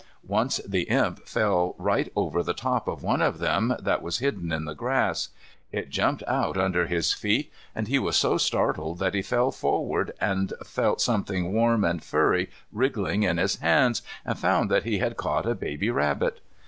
Once the Imp fell right over the top of one of them that was hidden in the grass. It jumped out under his feet and he was so startled that he fell forward, and felt something warm and furry wriggling in his hands, and found that he had caught a baby rabbit.